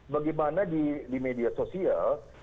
bagaimana di media sosial